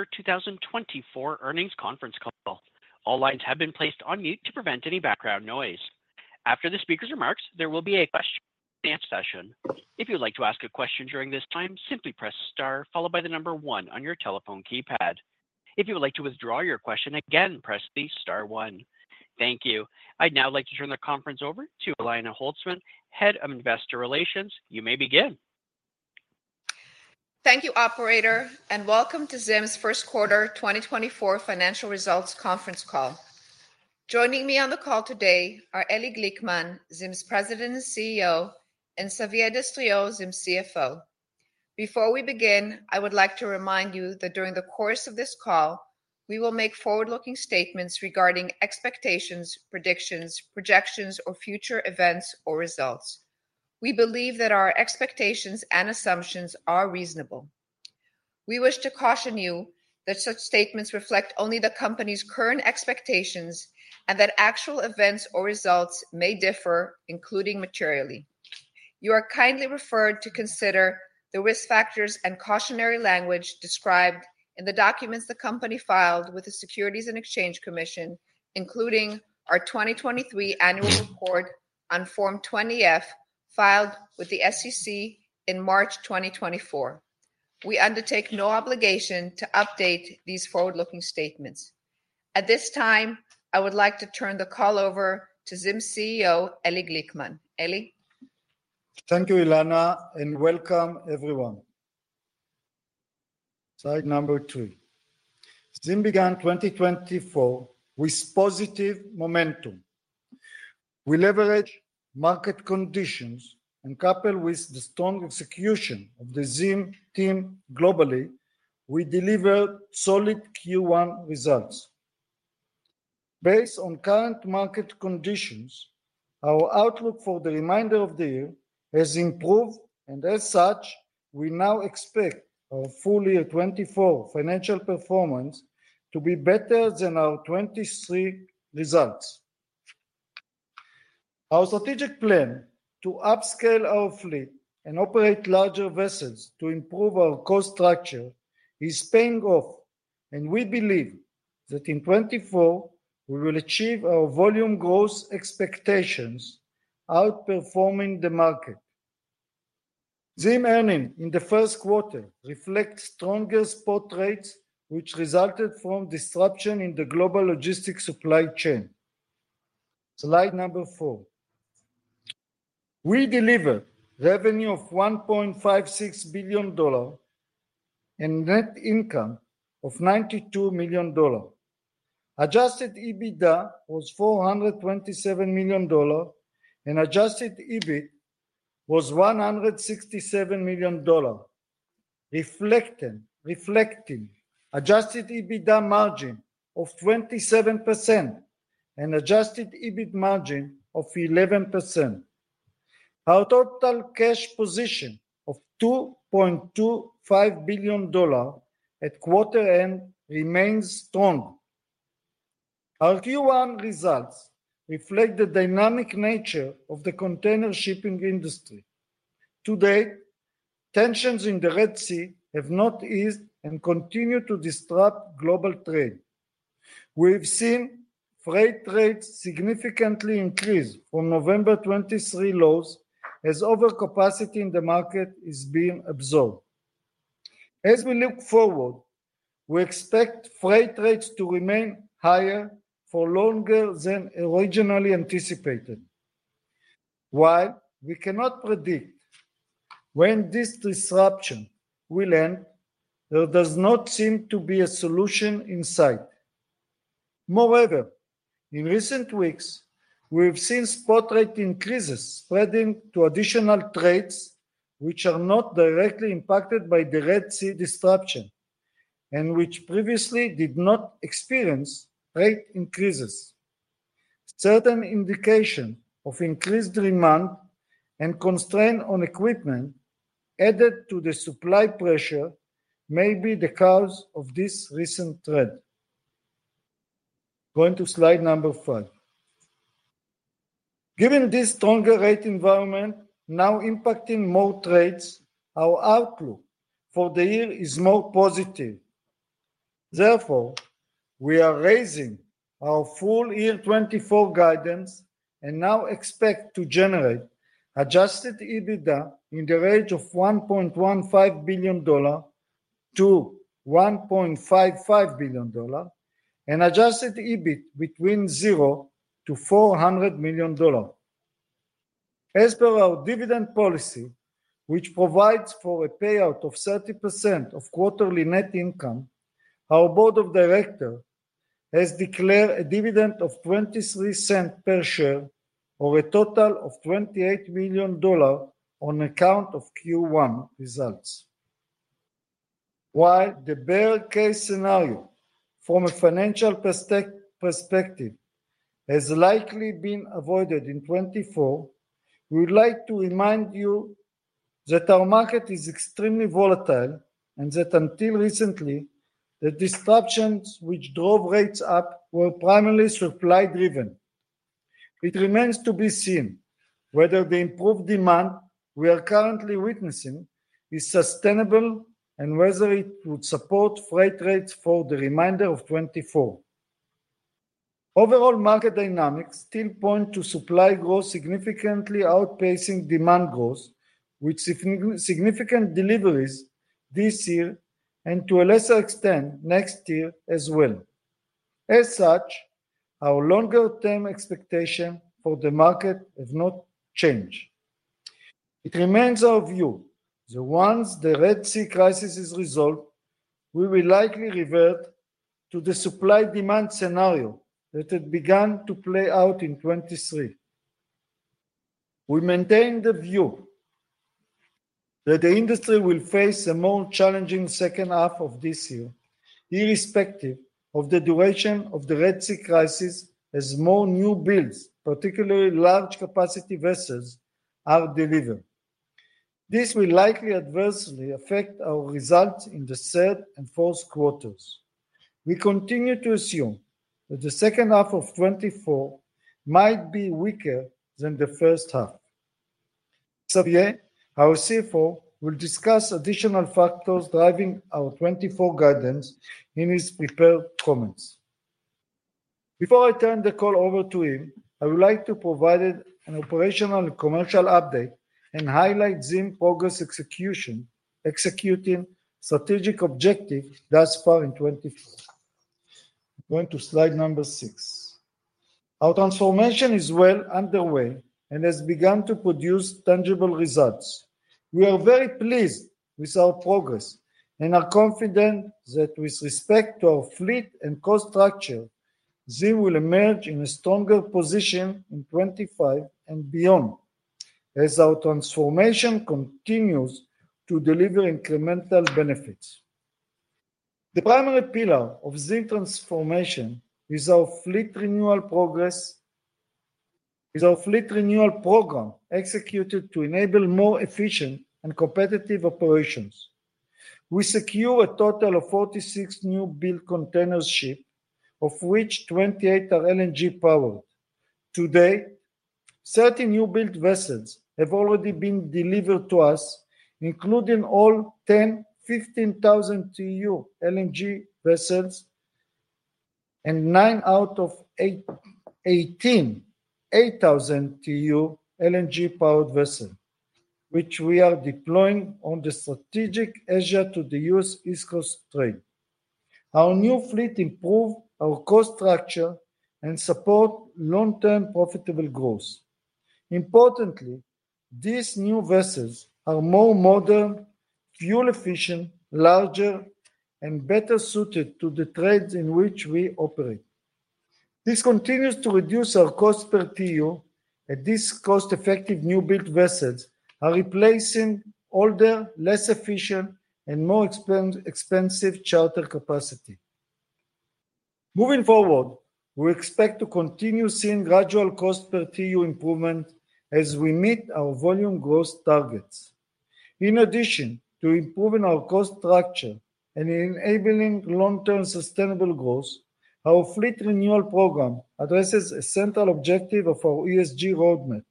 Quarter 2 2024 earnings conference call. All lines have been placed on mute to prevent any background noise. After the speaker's remarks, there will be a question and answer session. If you'd like to ask a question during this time, simply press star, followed by the number one on your telephone keypad. If you would like to withdraw your question again, press the star one. Thank you. I'd now like to turn the conference over to Elana Holzman, Head of Investor Relations. You may begin. Thank you, operator, and welcome to ZIM's first quarter 2024 financial results conference call. Joining me on the call today are Eli Glickman, ZIM's President and CEO, and Xavier Destriau, ZIM CFO. Before we begin, I would like to remind you that during the course of this call, we will make forward-looking statements regarding expectations, predictions, projections, or future events or results. We believe that our expectations and assumptions are reasonable. We wish to caution you that such statements reflect only the company's current expectations and that actual events or results may differ, including materially. You are kindly referred to consider the risk factors and cautionary language described in the documents the company filed with the Securities and Exchange Commission, including our 2023 annual report on Form 20-F, filed with the SEC in March 2024. We undertake no obligation to update these forward-looking statements. At this time, I would like to turn the call over to ZIM CEO, Eli Glickman. Eli? Thank you, Elana, and welcome everyone. Slide number two. ZIM began 2024 with positive momentum. We leverage market conditions, and coupled with the strong execution of the ZIM team globally, we delivered solid Q1 results. Based on current market conditions, our outlook for the remainder of the year has improved, and as such, we now expect our full-year 2024 financial performance to be better than our 2023 results. Our strategic plan to upscale our fleet and operate larger vessels to improve our cost structure is paying off, and we believe that in 2024, we will achieve our volume growth expectations, outperforming the market. ZIM earnings in the first quarter reflect stronger spot rates, which resulted from disruption in the global logistics supply chain. Slide number four. We delivered revenue of $1.56 billion and net income of $92 million. Adjusted EBITDA was $427 million, and adjusted EBIT was $167 million. Reflecting Adjusted EBITDA margin of 27% and adjusted EBIT margin of 11%. Our total cash position of $2.25 billion at quarter end remains strong. Our Q1 results reflect the dynamic nature of the container shipping industry. Today, tensions in the Red Sea have not eased and continue to disrupt global trade. We've seen freight rates significantly increase from November 2023 lows as overcapacity in the market is being absorbed. As we look forward, we expect freight rates to remain higher for longer than originally anticipated. While we cannot predict when this disruption will end, there does not seem to be a solution in sight. Moreover, in recent weeks, we've seen spot rate increases spreading to additional trades which are not directly impacted by the Red Sea disruption, and which previously did not experience rate increases. Certain indication of increased demand and constraint on equipment, added to the supply pressure, may be the cause of this recent trend. Going to slide number five. Given this stronger rate environment now impacting more trades, our outlook for the year is more positive. Therefore, we are raising our full-year 2024 guidance and now expect to generate Adjusted EBITDA in the range of $1.15 billion-$1.55 billion and adjusted EBIT between $0-$400 million. As per our dividend policy, which provides for a payout of 30% of quarterly net income, our Board of Directors has declared a dividend of $0.23 per share, or a total of $28 million on account of Q1 results. While the bear case scenario from a financial perspective has likely been avoided in 2024, we would like to remind you that our market is extremely volatile and that until recently, the disruptions which drove rates up were primarily supply driven. It remains to be seen whether the improved demand we are currently witnessing is sustainable, and whether it would support freight rates for the remainder of 2024. Overall market dynamics still point to supply growth significantly outpacing demand growth, with significant deliveries this year, and to a lesser extent, next year as well. As such, our longer-term expectation for the market has not changed. It remains our view that once the Red Sea crisis is resolved, we will likely revert to the supply-demand scenario that had begun to play out in 2023. We maintain the view that the industry will face a more challenging second half of this year, irrespective of the duration of the Red Sea crisis, as more newbuilds, particularly large capacity vessels, are delivered. This will likely adversely affect our results in the third and fourth quarters. We continue to assume that the second half of 2024 might be weaker than the first half. Xavier, our CFO, will discuss additional factors driving our 2024 guidance in his prepared comments. Before I turn the call over to him, I would like to provide an operational and commercial update and highlight ZIM progress execution, executing strategic objective thus far in 2024. Going to slide number six. Our transformation is well underway and has begun to produce tangible results. We are very pleased with our progress and are confident that with respect to our fleet and cost structure, ZIM will emerge in a stronger position in 2025 and beyond, as our transformation continues to deliver incremental benefits. The primary pillar of ZIM transformation is our fleet renewal program, executed to enable more efficient and competitive operations. We secure a total of 46 newbuild container ship, of which 28 are LNG-powered. Today, 30 newbuild vessels have already been delivered to us, including all 10, 15,000 TEU LNG vessels and nine out of eighteen, 8,000 TEU LNG-powered vessel, which we are deploying on the strategic Asia to the U.S. East Coast trade. Our new fleet improve our cost structure and support long-term profitable growth. Importantly, these new vessels are more modern, fuel efficient, larger, and better suited to the trades in which we operate. This continues to reduce our cost per TEU, as these cost-effective newbuild vessels are replacing older, less efficient, and more expensive charter capacity. Moving forward, we expect to continue seeing gradual cost per TEU improvement as we meet our volume growth targets. In addition to improving our cost structure and enabling long-term sustainable growth, our fleet renewal program addresses a central objective of our ESG roadmap: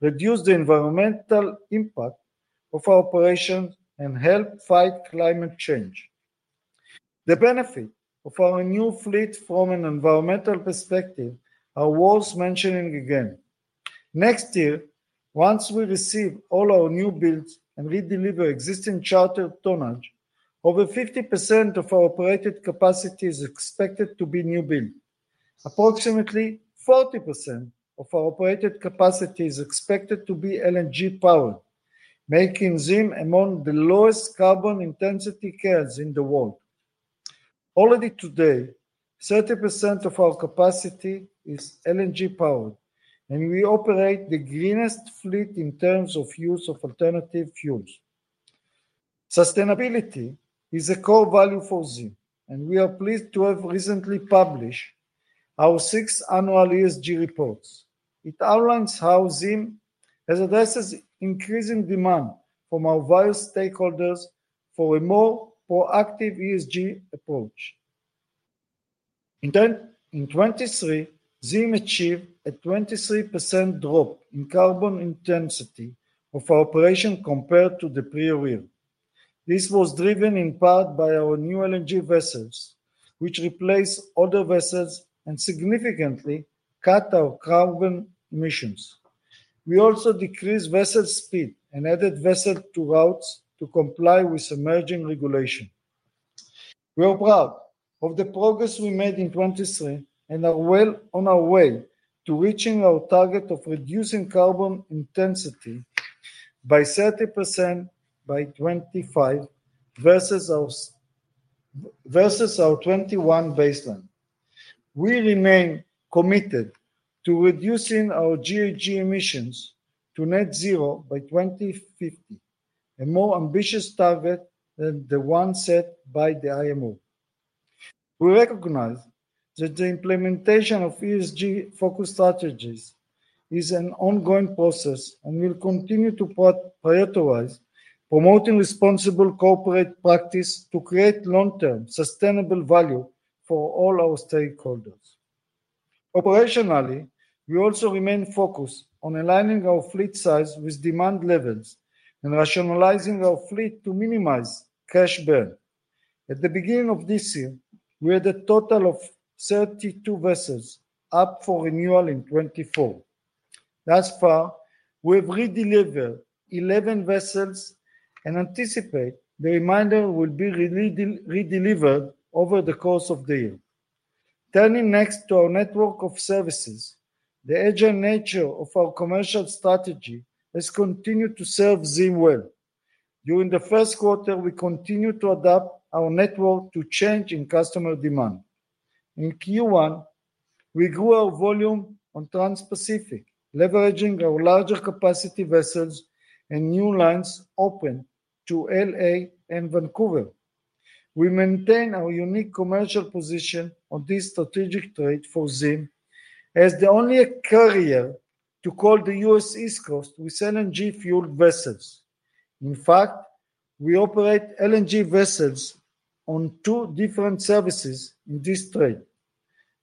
reduce the environmental impact of our operations and help fight climate change. The benefit of our new fleet from an environmental perspective are worth mentioning again. Next year, once we receive all our newbuilds and redeliver existing charter tonnage, over 50% of our operated capacity is expected to be newbuild. Approximately 40% of our operated capacity is expected to be LNG-powered, making ZIM among the lowest carbon intensity carriers in the world. Already today, 30% of our capacity is LNG-powered, and we operate the greenest fleet in terms of use of alternative fuels. Sustainability is a core value for ZIM, and we are pleased to have recently published our sixth annual ESG reports. It outlines how ZIM has addressed increasing demand from our various stakeholders for a more proactive ESG approach. In 2023, ZIM achieved a 23% drop in carbon intensity of our operation compared to the prior year. This was driven in part by our new LNG vessels, which replaced older vessels and significantly cut our carbon emissions. We also decreased vessel speed and added vessel to routes to comply with emerging regulation. We are proud of the progress we made in 2023 and are well on our way to reaching our target of reducing carbon intensity by 30% by 2025 versus our, versus our 2021 baseline. We remain committed to reducing our GHG emissions to Net Zero by 2050, a more ambitious target than the one set by the IMO. We recognize that the implementation of ESG-focused strategies is an ongoing process, and we'll continue to prioritize promoting responsible corporate practice to create long-term, sustainable value for all our stakeholders. Operationally, we also remain focused on aligning our fleet size with demand levels and rationalizing our fleet to minimize cash burn. At the beginning of this year, we had a total of 32 vessels up for renewal in 2024. Thus far, we have redelivered 11 vessels and anticipate the remainder will be redelivered over the course of the year. Turning next to our network of services, the agile nature of our commercial strategy has continued to serve ZIM well. During the first quarter, we continued to adapt our network to change in customer demand. In Q1, we grew our volume on Transpacific, leveraging our larger capacity vessels and new lines open to L.A. and Vancouver. We maintain our unique commercial position on this strategic trade for ZIM as the only carrier to call the U.S. East Coast with LNG-fueled vessels. In fact, we operate LNG vessels on two different services in this trade.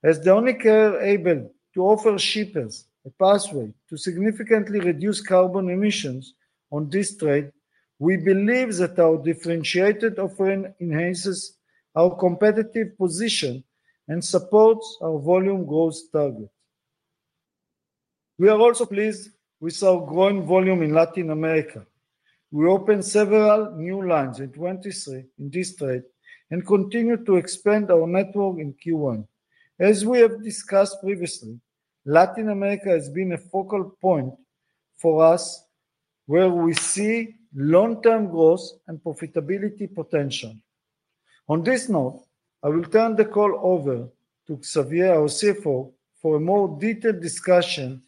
As the only carrier able to offer shippers a pathway to significantly reduce carbon emissions on this trade, we believe that our differentiated offering enhances our competitive position and supports our volume growth target. We are also pleased with our growing volume in Latin America. We opened several new lines in 2023 in this trade and continued to expand our network in Q1. As we have discussed previously, Latin America has been a focal point for us, where we see long-term growth and profitability potential. On this note, I will turn the call over to Xavier, our CFO, for a more detailed discussion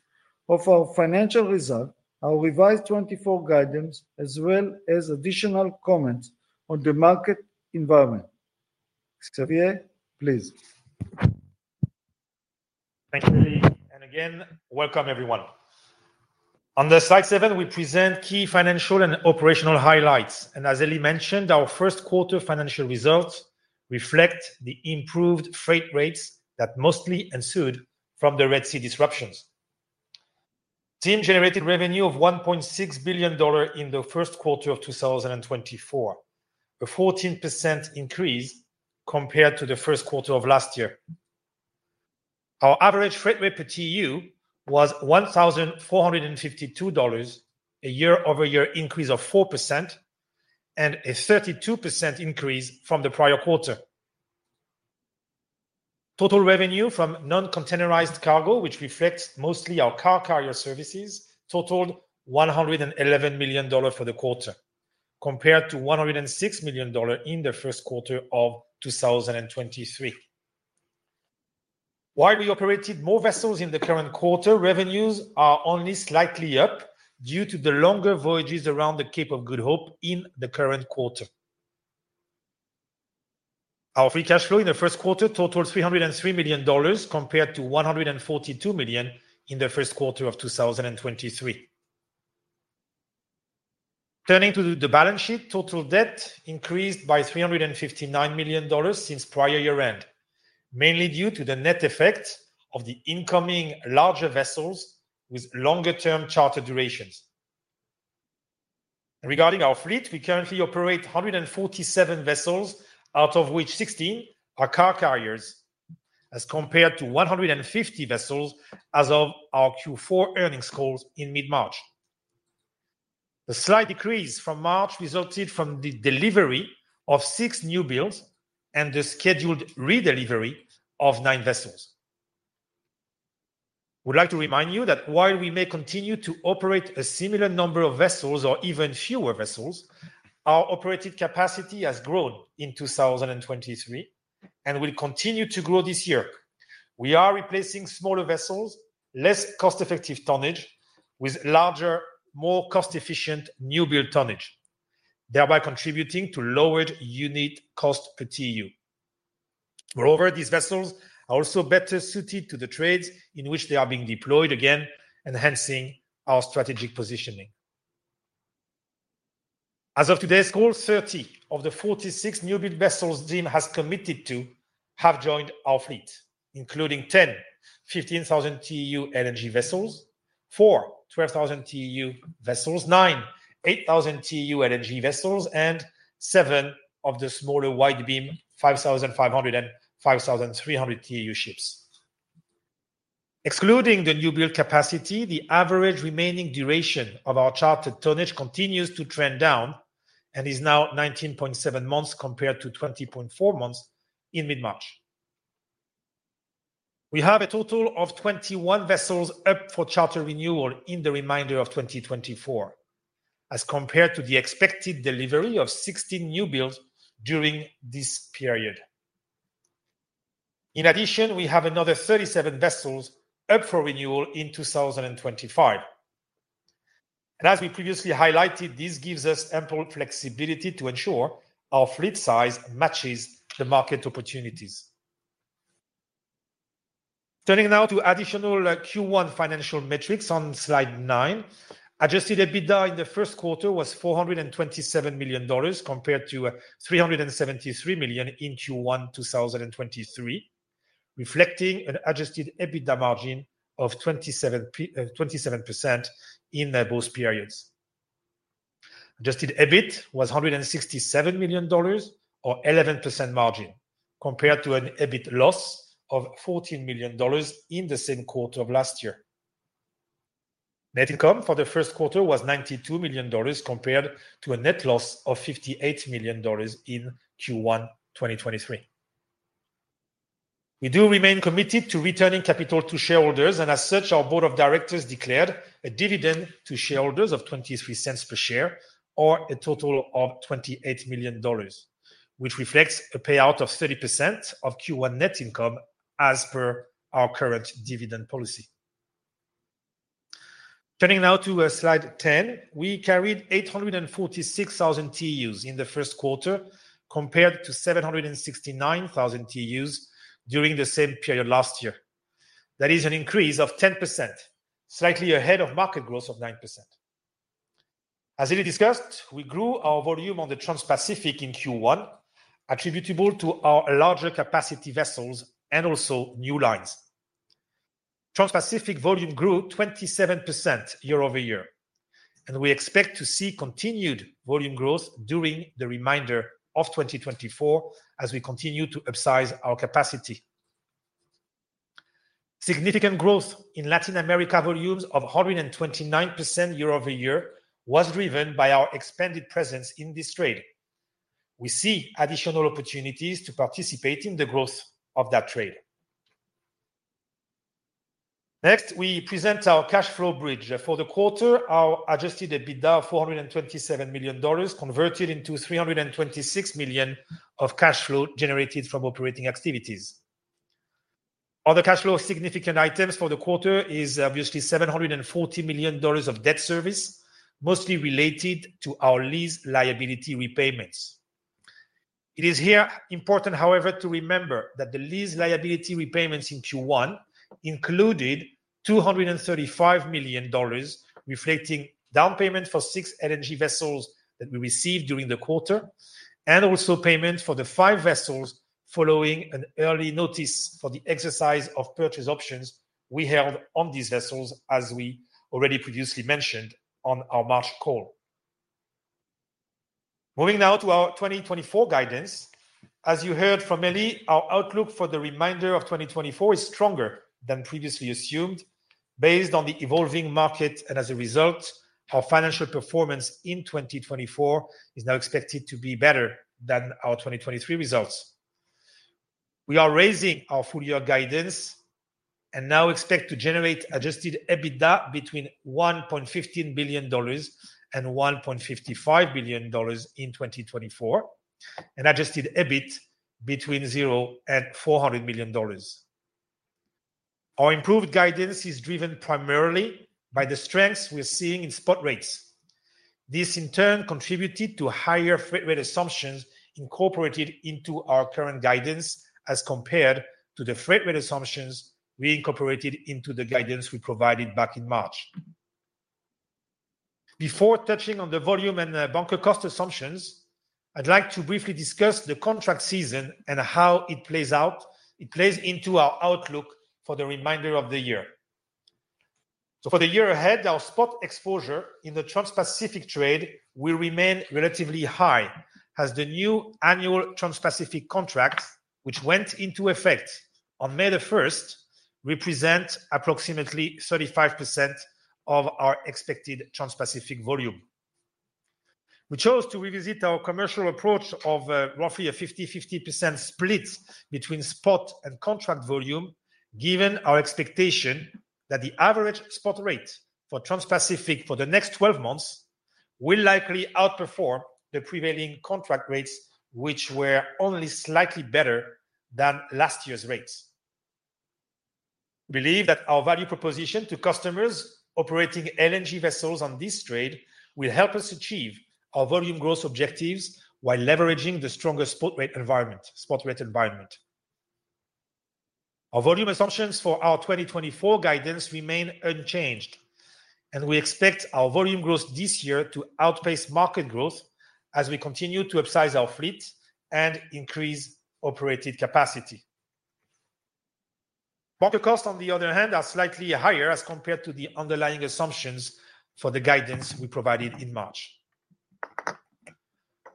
of our financial results, our revised 2024 guidance, as well as additional comments on the market environment. Xavier, please. Thank you, Eli, and again, welcome, everyone. On slide seven, we present key financial and operational highlights, and as Eli mentioned, our first quarter financial results reflect the improved freight rates that mostly ensued from the Red Sea disruptions. ZIM generated revenue of $1.6 billion in the first quarter of 2024, a 14% increase compared to the first quarter of last year. Our average freight rate per TEU was $1,452, a year-over-year increase of 4% and a 32% increase from the prior quarter. Total revenue from non-containerized cargo, which reflects mostly our car carrier services, totaled $111 million for the quarter, compared to $106 million in the first quarter of 2023. While we operated more vessels in the current quarter, revenues are only slightly up due to the longer voyages around the Cape of Good Hope in the current quarter. Our free cash flow in the first quarter totaled $303 million, compared to $142 million in the first quarter of 2023. Turning to the balance sheet, total debt increased by $359 million since prior year-end, mainly due to the net effect of the incoming larger vessels with longer-term charter durations. Regarding our fleet, we currently operate 147 vessels, out of which 16 are car carriers, as compared to 150 vessels as of our Q4 earnings calls in mid-March. The slight decrease from March resulted from the delivery of six newbuilds and the scheduled redelivery of nine vessels. We'd like to remind you that while we may continue to operate a similar number of vessels or even fewer vessels, our operative capacity has grown in 2023 and will continue to grow this year. We are replacing smaller vessels, less cost-effective tonnage, with larger, more cost-efficient newbuild tonnage, thereby contributing to lowered unit cost per TEU. Moreover, these vessels are also better suited to the trades in which they are being deployed, again, enhancing our strategic positioning. As of today's call, 30 of the 46 newbuild vessels ZIM has committed to have joined our fleet, including ten 15,000 TEU LNG vessels, four 12,000 TEU vessels, nine 8,000 TEU LNG vessels, and seven of the smaller wide-beam 5,500 and 5,300 TEU ships. Excluding the newbuild capacity, the average remaining duration of our chartered tonnage continues to trend down and is now 19.7 months, compared to 20.4 months in mid-March. We have a total of 21 vessels up for charter renewal in the remainder of 2024, as compared to the expected delivery of 16 newbuilds during this period. In addition, we have another 37 vessels up for renewal in 2025.... As we previously highlighted, this gives us ample flexibility to ensure our fleet size matches the market opportunities. Turning now to additional Q1 financial metrics on slide nine. Adjusted EBITDA in the first quarter was $427 million, compared to $373 million in Q1 2023, reflecting an Adjusted EBITDA margin of 27% in both periods. Adjusted EBIT was $167 million or 11% margin, compared to an EBIT loss of $14 million in the same quarter of last year. Net income for the first quarter was $92 million, compared to a net loss of $58 million in Q1 2023. We do remain committed to returning capital to shareholders, and as such, our Board of Directors declared a dividend to shareholders of $0.23 per share or a total of $28 million, which reflects a payout of 30% of Q1 net income as per our current dividend policy. Turning now to slide 10. We carried 846,000 TEUs in the first quarter, compared to 769,000 TEUs during the same period last year. That is an increase of 10%, slightly ahead of market growth of 9%. As already discussed, we grew our volume on the Transpacific in Q1, attributable to our larger capacity vessels and also new lines. Transpacific volume grew 27% year-over-year, and we expect to see continued volume growth during the remainder of 2024 as we continue to upsize our capacity. Significant growth in Latin America, volumes of 129% year-over-year, was driven by our expanded presence in this trade. We see additional opportunities to participate in the growth of that trade. Next, we present our cash flow bridge. For the quarter, our Adjusted EBITDA of $427 million converted into $326 million of cash flow generated from operating activities. Other cash flow significant items for the quarter is obviously $740 million of debt service, mostly related to our lease liability repayments. It is here important, however, to remember that the lease liability repayments in Q1 included $235 million, reflecting down payment for six LNG vessels that we received during the quarter, and also payment for the five vessels following an early notice for the exercise of purchase options we held on these vessels, as we already previously mentioned on our March call. Moving now to our 2024 guidance. As you heard from Eli, our outlook for the remainder of 2024 is stronger than previously assumed, based on the evolving market, and as a result, our financial performance in 2024 is now expected to be better than our 2023 results. We are raising our full-year guidance and now expect to generate Adjusted EBITDA between $1.15 billion and $1.55 billion in 2024, and Adjusted EBIT between $0 and $400 million. Our improved guidance is driven primarily by the strengths we are seeing in spot rates. This, in turn, contributed to higher freight rate assumptions incorporated into our current guidance as compared to the freight rate assumptions we incorporated into the guidance we provided back in March. Before touching on the volume and the bunker cost assumptions, I'd like to briefly discuss the contract season and how it plays out, it plays into our outlook for the remainder of the year. For the year ahead, our spot exposure in the Transpacific trade will remain relatively high as the new annual Transpacific contract, which went into effect on May 1, represents approximately 35% of our expected Transpacific volume. We chose to revisit our commercial approach of roughly a 50/50% split between spot and contract volume, given our expectation that the average spot rate for Transpacific for the next 12 months will likely outperform the prevailing contract rates, which were only slightly better than last year's rates. We believe that our value proposition to customers operating LNG vessels on this trade will help us achieve our volume growth objectives while leveraging the stronger spot rate environment. Our volume assumptions for our 2024 guidance remain unchanged, and we expect our volume growth this year to outpace market growth as we continue to upsize our fleet and increase operated capacity. Bunker costs, on the other hand, are slightly higher as compared to the underlying assumptions for the guidance we provided in March.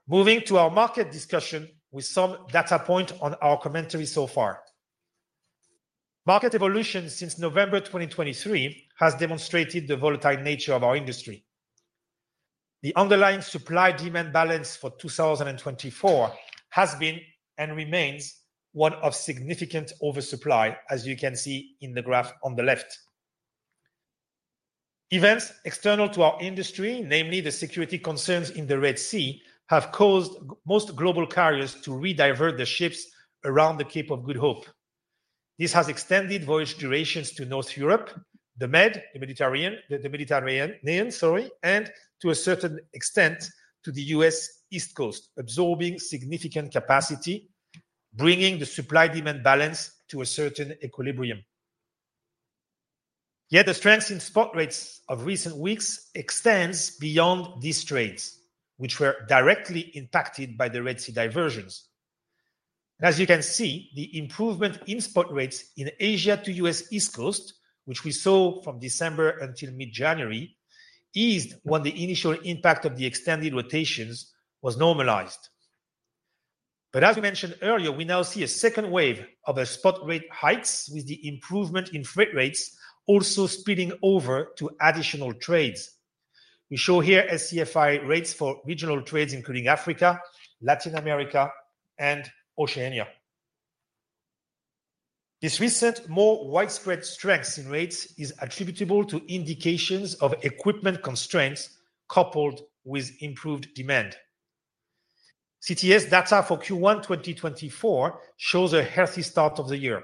Moving to our market discussion with some data point on our commentary so far. Market evolution since November 2023 has demonstrated the volatile nature of our industry. The underlying supply-demand balance for 2024 has been, and remains, one of significant oversupply, as you can see in the graph on the left. Events external to our industry, namely the security concerns in the Red Sea, have caused most global carriers to redivert their ships around the Cape of Good Hope.... This has extended voyage durations to North Europe, the Med, the Mediterranean, the Mediterranean, sorry, and to a certain extent, to the U.S. East Coast, absorbing significant capacity, bringing the supply-demand balance to a certain equilibrium. Yet the strength in spot rates of recent weeks extends beyond these trades, which were directly impacted by the Red Sea diversions. As you can see, the improvement in spot rates in Asia to U.S. East Coast, which we saw from December until mid-January, eased when the initial impact of the extended rotations was normalized. But as we mentioned earlier, we now see a second wave of a spot rate hikes, with the improvement in freight rates also spilling over to additional trades. We show here SCFI rates for regional trades, including Africa, Latin America, and Oceania. This recent, more widespread strength in rates is attributable to indications of equipment constraints, coupled with improved demand. CTS data for Q1 2024 shows a healthy start of the year.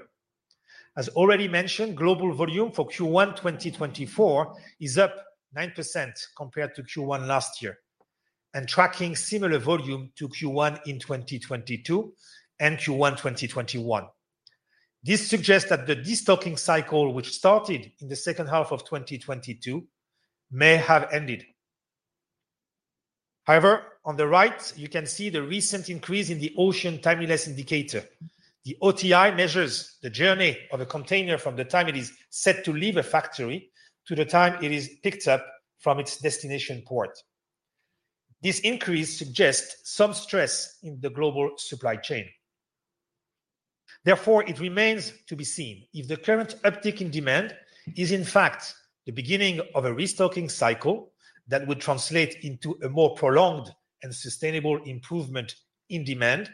As already mentioned, global volume for Q1 2024 is up 9% compared to Q1 last year, and tracking similar volume to Q1 in 2022 and Q1 2021. This suggests that the de-stocking cycle, which started in the second half of 2022, may have ended. However, on the right, you can see the recent increase in the Ocean Timeliness Indicator. The OTI measures the journey of a container from the time it is set to leave a factory to the time it is picked up from its destination port. This increase suggests some stress in the global supply chain. Therefore, it remains to be seen if the current uptick in demand is in fact, the beginning of a restocking cycle that would translate into a more prolonged and sustainable improvement in demand,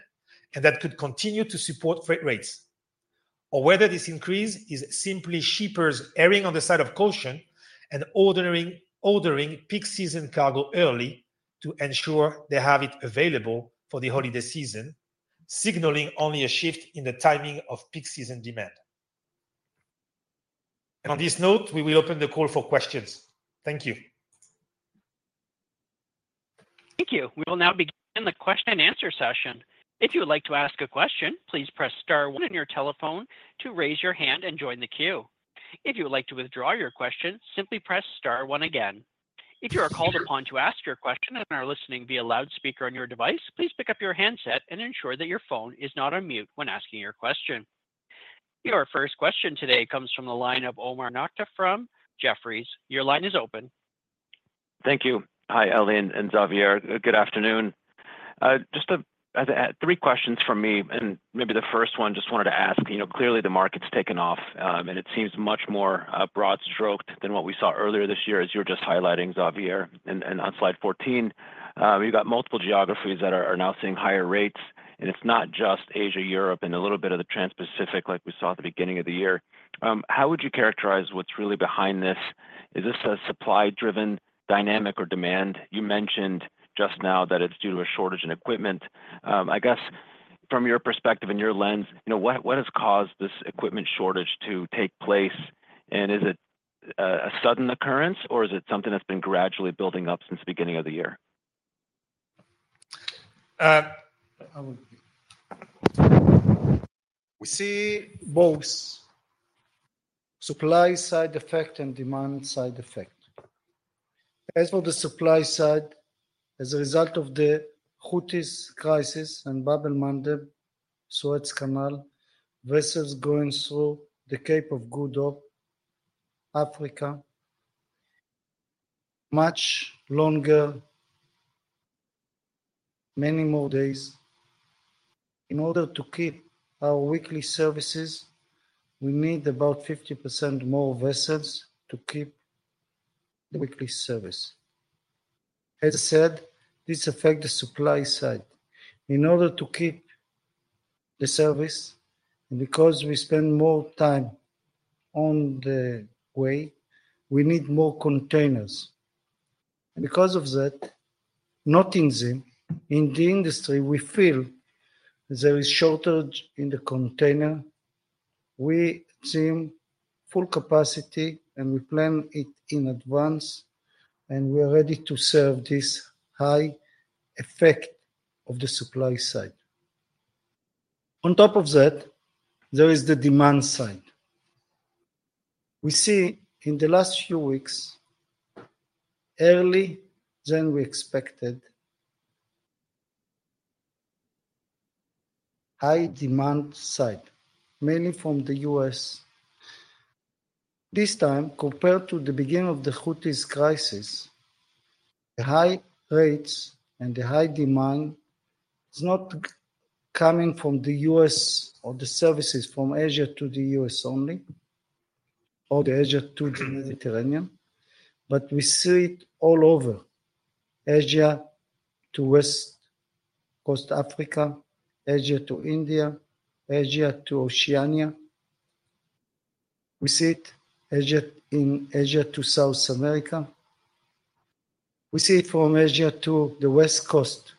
and that could continue to support freight rates. Or whether this increase is simply shippers erring on the side of caution and ordering peak season cargo early to ensure they have it available for the holiday season, signaling only a shift in the timing of peak season demand. And on this note, we will open the call for questions. Thank you. Thank you. We will now begin the question and answer session. If you would like to ask a question, please press star one on your telephone to raise your hand and join the queue. If you would like to withdraw your question, simply press star one again. If you are called upon to ask your question and are listening via loudspeaker on your device, please pick up your handset and ensure that your phone is not on mute when asking your question. Your first question today comes from the line of Omar Nokta from Jefferies. Your line is open. Thank you. Hi, Eli and Xavier. Good afternoon. Just to three questions from me, and maybe the first one, just wanted to ask, you know, clearly the market's taken off, and it seems much more broad-stroked than what we saw earlier this year, as you were just highlighting, Xavier. And on slide 14, we've got multiple geographies that are now seeing higher rates, and it's not just Asia, Europe, and a little bit of the Transpacific like we saw at the beginning of the year. How would you characterize what's really behind this? Is this a supply-driven dynamic or demand? You mentioned just now that it's due to a shortage in equipment. I guess from your perspective and your lens, you know, what has caused this equipment shortage to take place? Is it a sudden occurrence, or is it something that's been gradually building up since the beginning of the year? I would... We see both supply-side effect and demand-side effect. As for the supply side, as a result of the Houthi crisis and Bab-el-Mandeb, Suez Canal, vessels going through the Cape of Good Hope, Africa, much longer, many more days. In order to keep our weekly services, we need about 50% more vessels to keep the weekly service. As I said, this affect the supply side. In order to keep the service, because we spend more time on the way, we need more containers. Because of that, not in ZIM, in the industry, we feel there is shortage in the container. We seem full capacity, and we plan it in advance, and we are ready to serve this high effect of the supply side. On top of that, there is the demand side. We see in the last few weeks, earlier than we expected, high demand side, mainly from the U.S.. This time, compared to the beginning of the Houthi crisis, the high rates and the high demand is not coming from the U.S. or the services from Asia to the U.S. only, or the Asia to the Mediterranean, but we see it all over Asia to West Coast Africa, Asia to India, Asia to Oceania. We see it Asia, in Asia to South America.... We see it from Asia to the West Coast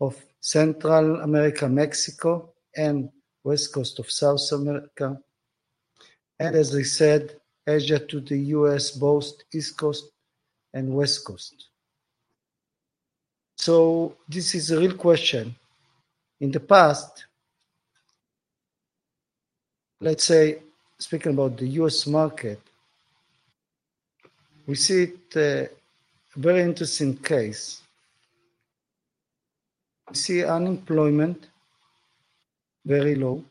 of Central America, Mexico, and West Coast of South America, and as I said, Asia to the U.S., both East Coast and West Coast. So this is a real question. In the past, let's say, speaking about the U.S. market, we see it, a very interesting case. We see unemployment very low,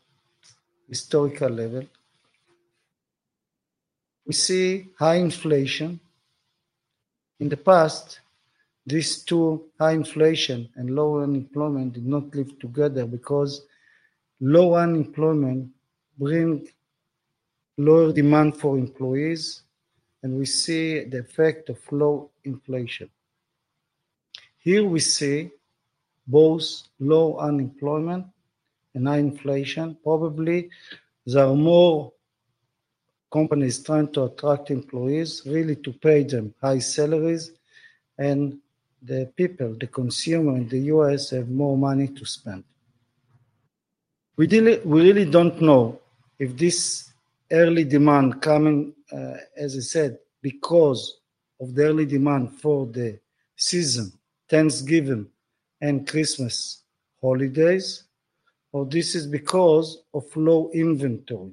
historical level. We see high inflation. In the past, these two, high inflation and low unemployment, did not live together because low unemployment bring low demand for employees, and we see the effect of low inflation. Here we see both low unemployment and high inflation. Probably there are more companies trying to attract employees, really, to pay them high salaries, and the people, the consumer in the U.S., have more money to spend. We really, we really don't know if this early demand coming, as I said, because of the early demand for the season, Thanksgiving and Christmas holidays, or this is because of low inventory.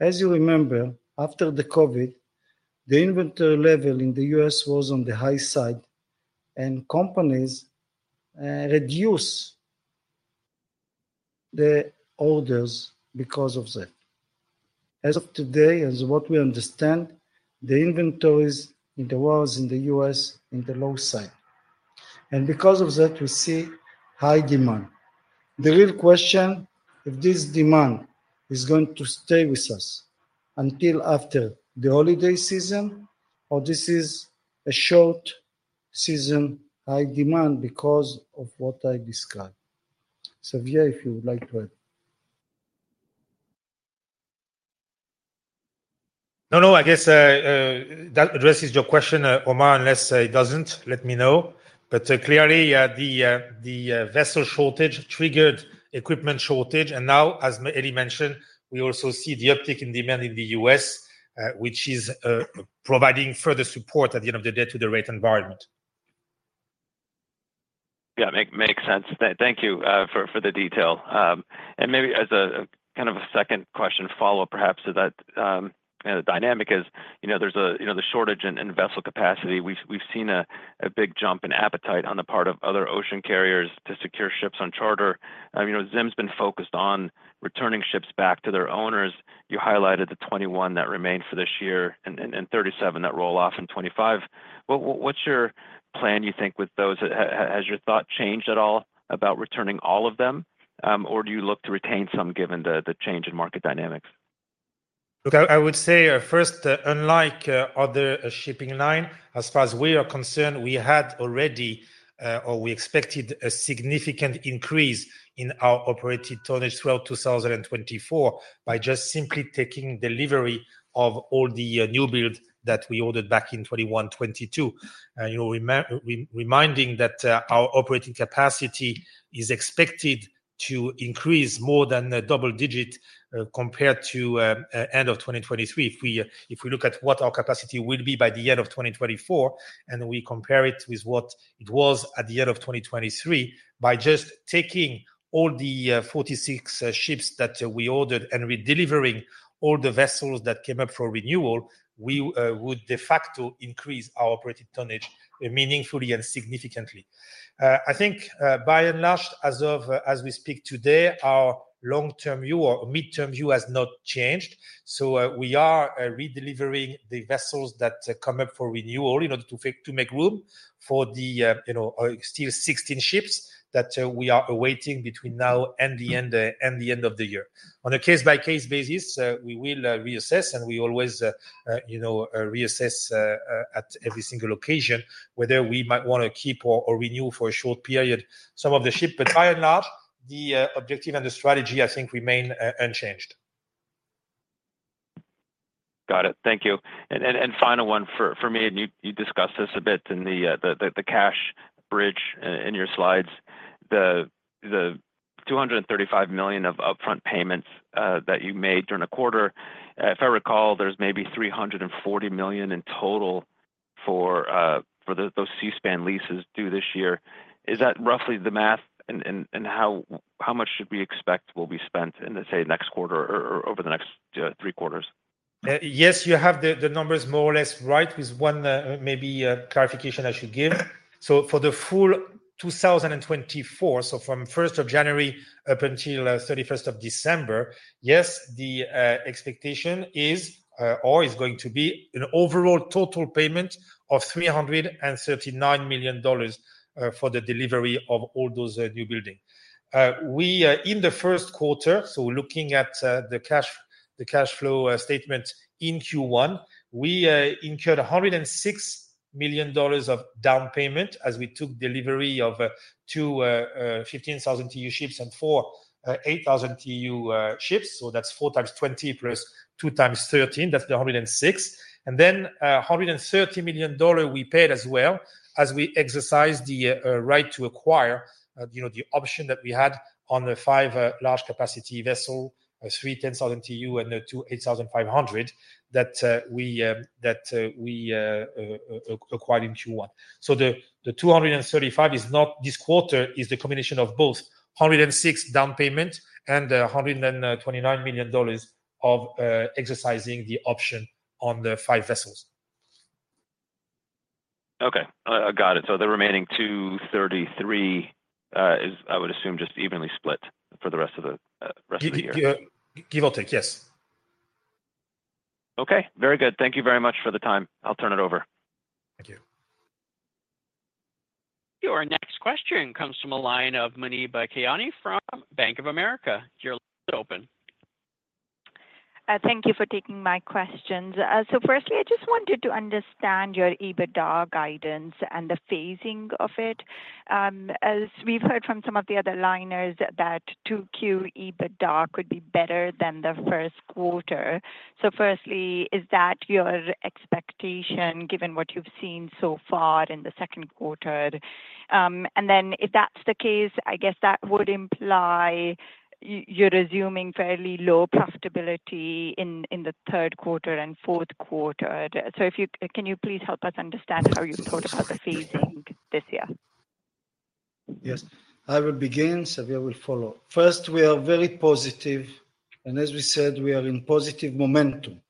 As you remember, after the COVID, the inventory level in the U.S. was on the high side, and companies, reduced the orders because of that. As of today, as what we understand, the inventories in the world, in the U.S., are in the low side, and because of that, we see high demand. The real question, if this demand is going to stay with us until after the holiday season, or this is a short season high demand because of what I described. Xavier, if you would like to add. No, no, I guess that addresses your question, Omar, unless it doesn't. Let me know. But clearly the vessel shortage triggered equipment shortage, and now, as Eli mentioned, we also see the uptick in demand in the U.S., which is providing further support at the end of the day to the rate environment. Yeah, makes sense. Thank you for the detail. And maybe as a kind of a second question follow-up, perhaps, to that dynamic is, you know, there's a you know, the shortage in vessel capacity. We've seen a big jump in appetite on the part of other ocean carriers to secure ships on charter. You know, ZIM's been focused on returning ships back to their owners. You highlighted the 21 that remained for this year and 37 that roll off in 2025. What's your plan, you think, with those? Has your thought changed at all about returning all of them, or do you look to retain some given the change in market dynamics? Look, I would say, first, unlike other shipping line, as far as we are concerned, we had already, or we expected a significant increase in our operated tonnage throughout 2024 by just simply taking delivery of all the newbuild that we ordered back in 2021, 2022. And, you know, reminding that our operating capacity is expected to increase more than a double digit compared to end of 2023. If we look at what our capacity will be by the end of 2024, and we compare it with what it was at the end of 2023, by just taking all the 46 ships that we ordered and redelivering all the vessels that came up for renewal, we would de facto increase our operating tonnage meaningfully and significantly. I think, by and large, as of, as we speak today, our long-term view or midterm view has not changed. So, we are, redelivering the vessels that come up for renewal in order to make, to make room for the, you know, still 16 ships that, we are awaiting between now and the end, and the end of the year. On a case-by-case basis, we will, reassess, and we always, you know, reassess, at every single occasion whether we might want to keep or, or renew for a short period some of the ship. But by and large, the, objective and the strategy, I think, remain, unchanged. Got it. Thank you. And final one for me, and you discussed this a bit in the cash bridge in your slides, the $235 million of upfront payments that you made during the quarter. If I recall, there's maybe $340 million in total for those Seaspan leases due this year. Is that roughly the math, and how much should we expect will be spent in, let's say, next quarter or over the next three quarters? Yes, you have the numbers more or less right, with one maybe clarification I should give. So for the full 2024, so from January 1 up until December 31, yes, the expectation is or is going to be an overall total payment of $339 million for the delivery of all those newbuilding. We in the first quarter, so looking at the cash flow statement in Q1, we incurred $106 million of down payment as we took delivery of two 15,000 TEU ships and four 8,000 TEU ships. So that's four times 20 plus two times 13, that's the 106. Then, $130 million we paid as well as we exercise the right to acquire, you know, the option that we had on the five large capacity vessel, three 10,000 TEU and the two 8,500, that we acquired in Q1. So the 235 is not this quarter, is the combination of both. $106 million down payment and $129 million of exercising the option on the five vessels. Okay, I got it. So the remaining 233 is, I would assume, just evenly split for the rest of the year. Give or take, yes. Okay, very good. Thank you very much for the time. I'll turn it over. Thank you. Your next question comes from a line of Muneeba Kayani from Bank of America. You're open. Thank you for taking my questions. So firstly, I just wanted to understand your EBITDA guidance and the phasing of it. As we've heard from some of the other liners that 2Q EBITDA could be better than the first quarter. So firstly, is that your expectation, given what you've seen so far in the second quarter? And then if that's the case, I guess that would imply you're assuming fairly low profitability in the third quarter and fourth quarter. So if you can, please help us understand how you thought about the phasing this year? Yes, I will begin, Xavier will follow. First, we are very positive, and as we said, we are in positive momentum.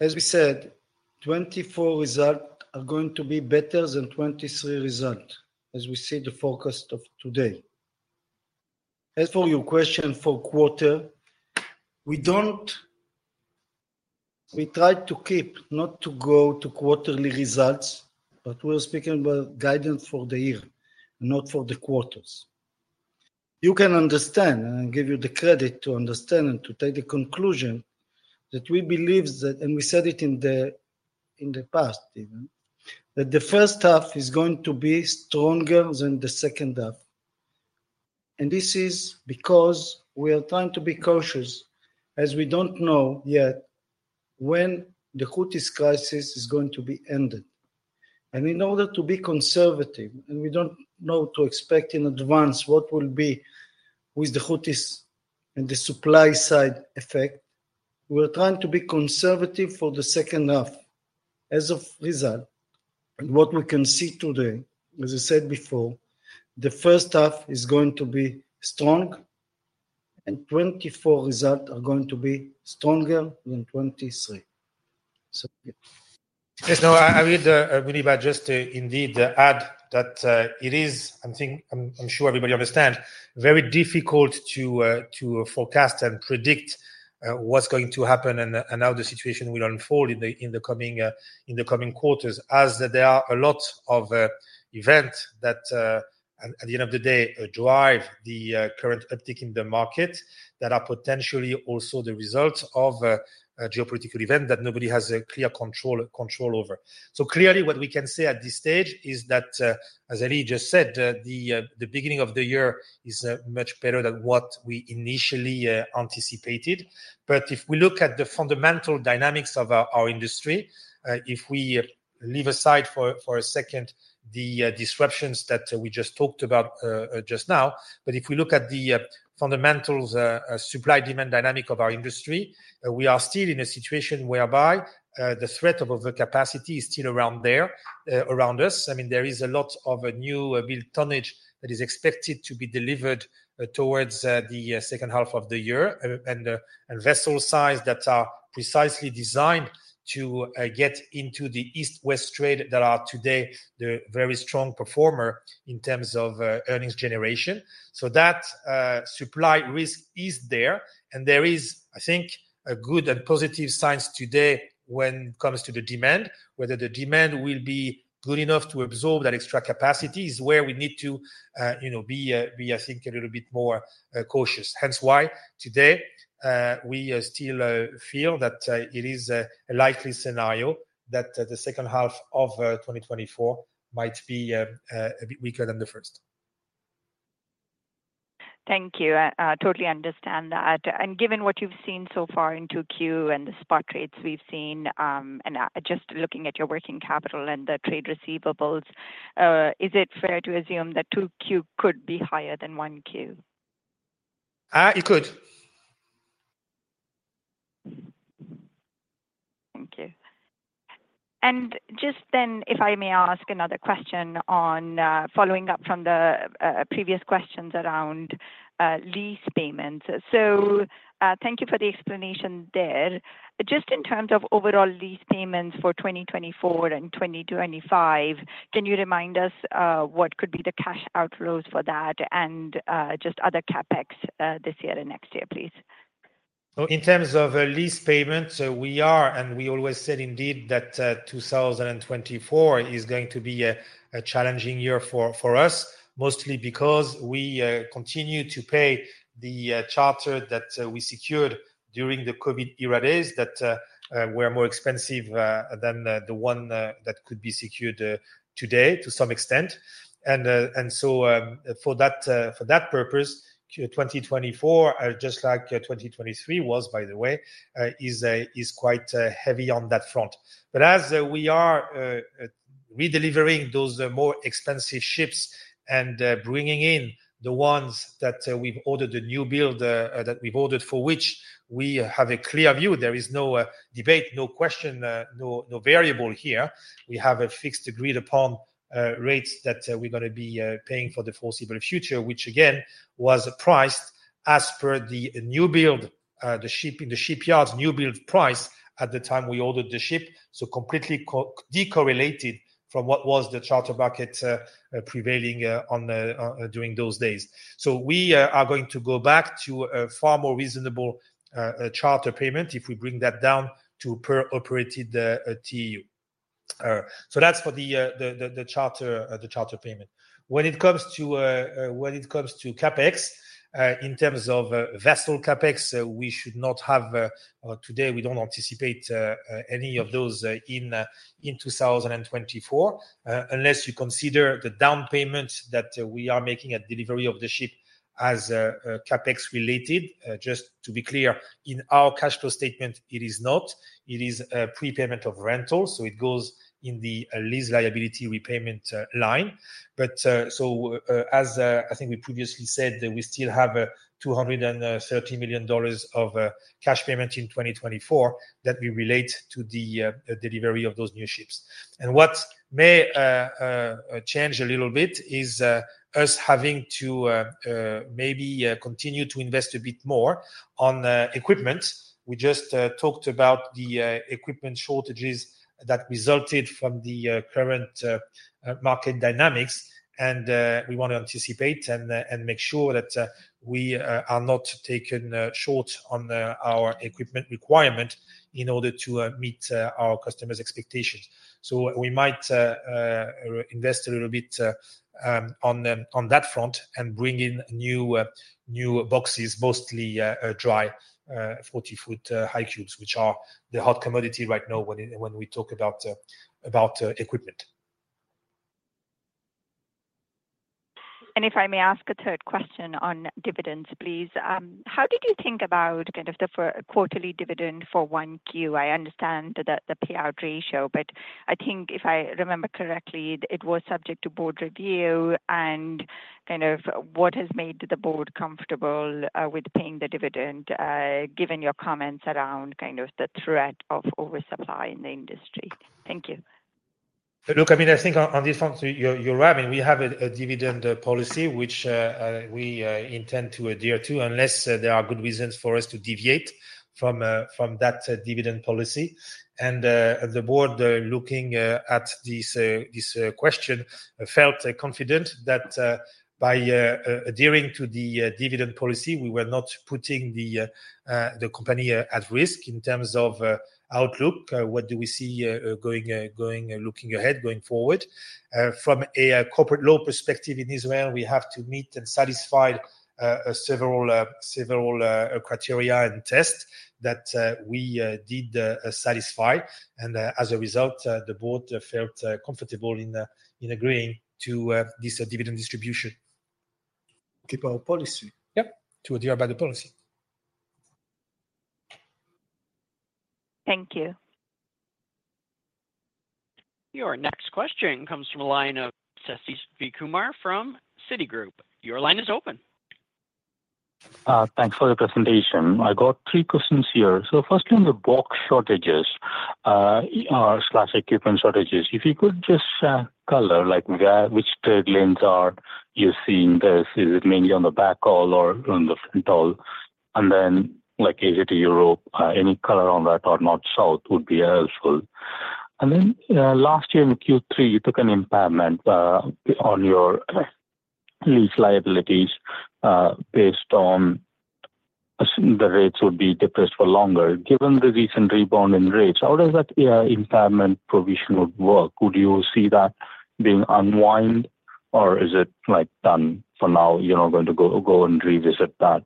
As we said, 2024 results are going to be better than 2023 result, as we see the forecast of today. As for your question for quarter, we don't, we try to keep, not to go to quarterly results, but we're speaking about guidance for the year, not for the quarters. You can understand, and I give you the credit to understand and to take the conclusion, that we believe that, and we said it in the past even, that the first half is going to be stronger than the second half. And this is because we are trying to be cautious, as we don't know yet when the Houthi crisis is going to be ended. In order to be conservative, and we don't know to expect in advance what will be with the Houthis and the supply side effect, we are trying to be conservative for the second half. As a result, and what we can see today, as I said before, the first half is going to be strong, and 2024 results are going to be stronger than 2023. So, yeah. Yes, no, I agree, Muneeba, just to indeed add that, it is, I think, I'm sure everybody understands, very difficult to forecast and predict what's going to happen and how the situation will unfold in the coming quarters. As there are a lot of events that at the end of the day drive the current uptick in the market, that are potentially also the result of a geopolitical event that nobody has a clear control over. So clearly, what we can say at this stage is that, as Eli just said, the beginning of the year is much better than what we initially anticipated. But if we look at the fundamental dynamics of our industry, if we leave aside for a second the disruptions that we just talked about just now, but if we look at the fundamentals, supply-demand dynamic of our industry, we are still in a situation whereby the threat of overcapacity is still around there around us. I mean, there is a lot of new built tonnage that is expected to be delivered towards the second half of the year, and vessel size that are precisely designed to get into the East-West trade that are today the very strong performer in terms of earnings generation. So that supply risk is there, and there is, I think, a good and positive signs today when it comes to the demand. Whether the demand will be good enough to absorb that extra capacity is where we need to, you know, be, I think, a little bit more cautious. Hence why, today, we still feel that it is a likely scenario that the second half of 2024 might be a bit weaker than the first. Thank you. I totally understand that. And given what you've seen so far in 2Q and the spot rates we've seen, and, just looking at your working capital and the trade receivables, is it fair to assume that 2Q could be higher than 1Q? It could. Thank you. And just then, if I may ask another question on, following up from the, previous questions around, lease payments. So, thank you for the explanation there. Just in terms of overall lease payments for 2024 and 2025, can you remind us, what could be the cash outflows for that and, just other CapEx, this year and next year, please? So in terms of lease payments, we are, and we always said indeed that 2024 is going to be a challenging year for us. Mostly because we continue to pay the charter that we secured during the COVID era days, that were more expensive than the one that could be secured today to some extent. And so, for that purpose, 2024, just like 2023 was, by the way, is quite heavy on that front. But as we are redelivering those more expensive ships and bringing in the ones that we've ordered, the newbuild that we've ordered, for which we have a clear view, there is no debate, no question, no variable here. We have a fixed agreed-upon rates that we're gonna be paying for the foreseeable future, which again was priced as per the newbuild the ship in the shipyards, newbuild price at the time we ordered the ship, so completely co-decorrelated from what was the charter market prevailing on during those days. So we are going to go back to a far more reasonable charter payment if we bring that down to per operated TU. So that's for the charter payment. When it comes to CapEx, in terms of vessel CapEx, we should not have or today, we don't anticipate any of those in 2024. Unless you consider the down payment that we are making at delivery of the ship as CapEx related. Just to be clear, in our cash flow statement, it is not. It is a prepayment of rental, so it goes in the lease liability repayment line. But so, as I think we previously said, that we still have $230 million of cash payment in 2024, that we relate to the delivery of those new ships. And what may change a little bit is us having to maybe continue to invest a bit more on equipment. We just talked about the equipment shortages that resulted from the current market dynamics, and we want to anticipate and make sure that we are not taken short on our equipment requirement in order to meet our customers' expectations. So we might invest a little bit on them, on that front and bring in new boxes, mostly dry 40 ft High Cubes, which are the hot commodity right now when we talk about equipment. If I may ask a third question on dividends, please. How did you think about kind of the quarterly dividend for 1Q? I understand the payout ratio, but I think if I remember correctly, it was subject to Board review and kind of what has made the Board comfortable with paying the dividend, given your comments around kind of the threat of oversupply in the industry? Thank you. Look, I mean, I think on this one, you're right. I mean, we have a dividend policy, which we intend to adhere to, unless there are good reasons for us to deviate from that dividend policy. The Board, looking at this question, felt confident that by adhering to the dividend policy, we were not putting the company at risk in terms of outlook. What do we see going forward? From a corporate law perspective in Israel, we have to meet and satisfy several criteria and tests that we did satisfy. As a result, the Board felt comfortable in agreeing to this dividend distribution. Keep our policy. Yep, to adhere by the policy. Thank you. Your next question comes from a line of Sathish Sivakumar from Citigroup. Your line is open. Thanks for the presentation. I got three questions here. So firstly, on the box shortages or equipment shortages, if you could just color, like, which trade lanes are you seeing this? Is it mainly on the back haul or on the front haul? And then, like, Asia to Europe, any color on that or North, South would be helpful. And then, last year in Q3, you took an impairment on your lease liabilities based on assuming the rates would be depressed for longer. Given the recent rebound in rates, how does that impairment provision work? Would you see that being unwound, or is it, like, done for now, you're not going to go and revisit that?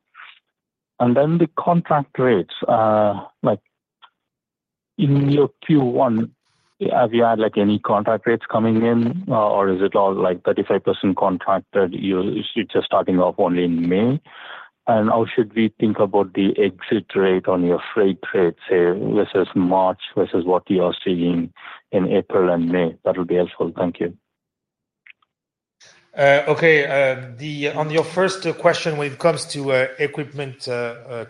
And then the contract rates, like, in your Q1, have you had, like, any contract rates coming in, or is it all, like, 35% contracted, you—it's just starting off only in May? And how should we think about the exit rate on your freight rates, say, versus March, versus what you are seeing in April and May? That will be helpful. Thank you. ... Okay, on your first question, when it comes to equipment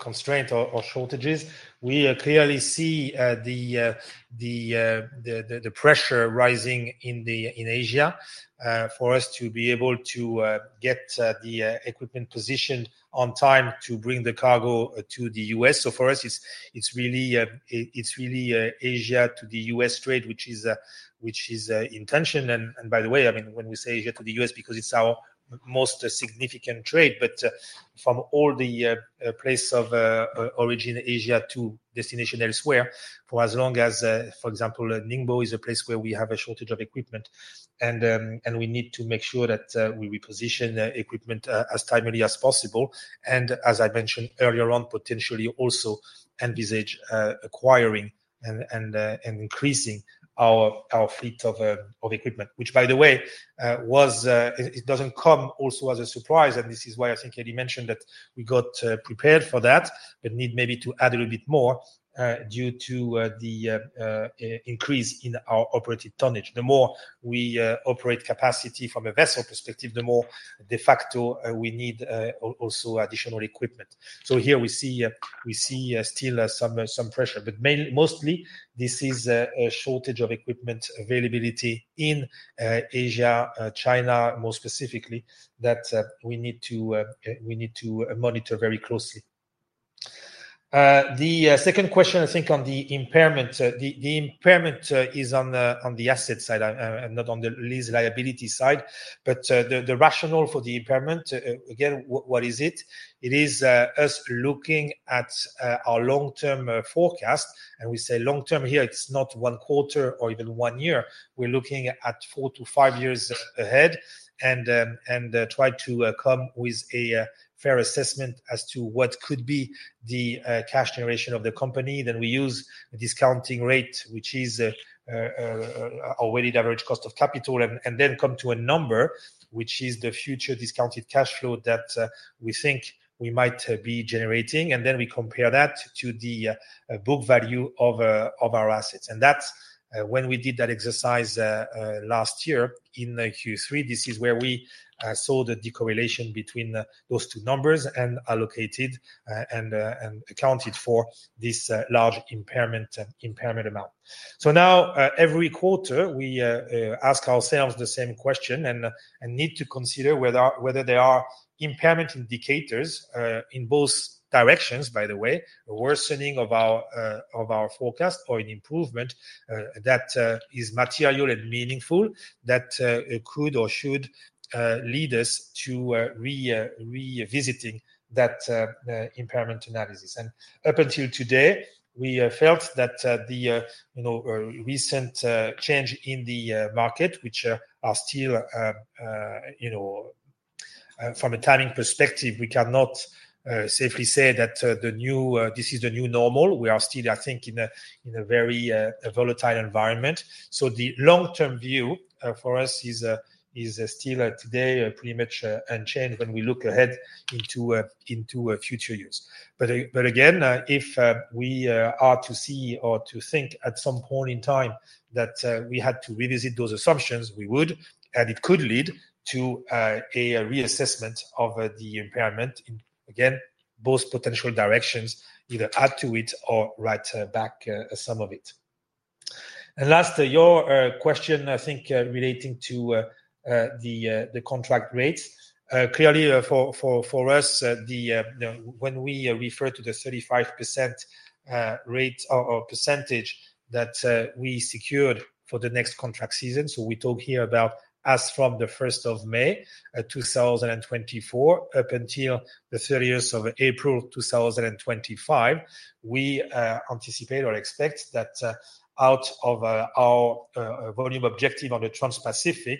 constraint or shortages, we clearly see the pressure rising in Asia for us to be able to get the equipment positioned on time to bring the cargo to the U.S.. So for us, it's really Asia to the U.S. trade, which is in tension. By the way, I mean, when we say Asia to the U.S., because it's our most significant trade, but from all the places of origin, Asia to destination elsewhere, for as long as, for example, Ningbo is a place where we have a shortage of equipment, and we need to make sure that we reposition the equipment as timely as possible. And as I mentioned earlier on, potentially also envisage acquiring and increasing our fleet of equipment. Which by the way, it doesn't come also as a surprise, and this is why I think Eli mentioned that we got prepared for that, but need maybe to add a little bit more due to the increase in our operated tonnage. The more we operate capacity from a vessel perspective, the more de facto we need also additional equipment. So here we see still some pressure. But mostly this is a shortage of equipment availability in Asia, China, more specifically, that we need to monitor very closely. The second question, I think, on the impairment. The impairment is on the asset side and not on the lease liability side. But the rationale for the impairment, again, what is it? It is us looking at our long-term forecast, and we say long-term here, it's not one quarter or even one year. We're looking at four to five years ahead and try to come with a fair assessment as to what could be the cash generation of the company. Then we use a discounting rate, which is a weighted average cost of capital, and then come to a number, which is the future discounted cash flow that we think we might be generating, and then we compare that to the book value of our assets. And that's when we did that exercise last year in the Q3, this is where we saw the decorrelation between those two numbers and allocated and accounted for this large impairment amount. Now, every quarter, we ask ourselves the same question and need to consider whether there are impairment indicators in both directions, by the way, worsening of our forecast or an improvement that is material and meaningful that could or should lead us to revisiting that impairment analysis. Up until today, we felt that the recent change in the market, which are still, you know, from a timing perspective, we cannot safely say that the new this is the new normal. We are still, I think, in a very volatile environment. So the long-term view, for us is still today pretty much unchanged when we look ahead into future years. But again, if we are to see or to think at some point in time that we had to revisit those assumptions, we would, and it could lead to a reassessment of the impairment. Again, both potential directions, either add to it or write back some of it. And last, your question, I think, relating to the contract rates. Clearly, for us, when we refer to the 35% rate or percentage that we secured for the next contract season, so we talk here about as from the 1st of May 2024, up until the 30th of April 2025. We anticipate or expect that out of our volume objective on the Transpacific,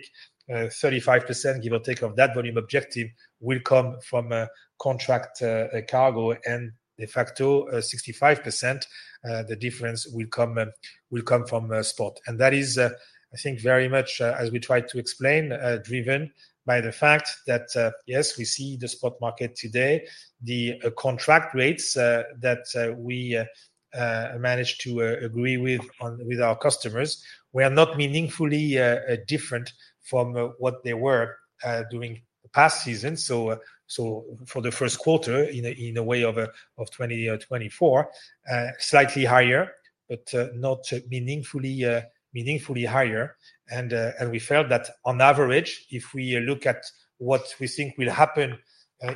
35%, give or take, of that volume objective will come from contract cargo, and de facto, 65%, the difference will come from spot. That is, I think, very much, as we tried to explain, driven by the fact that, yes, we see the spot market today, the contract rates that we managed to agree with our customers, were not meaningfully different from what they were during the past season. So for the first quarter, in a way, of 2024, slightly higher, but not meaningfully higher. And we felt that on average, if we look at what we think will happen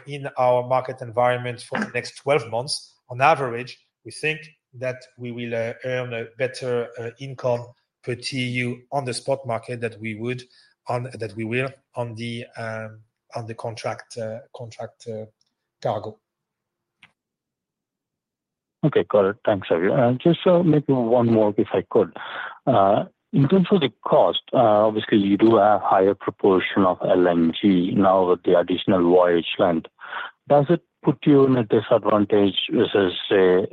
in our market environment for the next 12 months, on average, we think that we will earn a better income per TU on the spot market than we would on... that we will on the contract cargo. Okay, got it. Thanks, Xavier. Just so maybe one more, if I could. In terms of the cost, obviously, you do have higher proportion of LNG now with the additional voyage length. Does it put you in a disadvantage versus, say,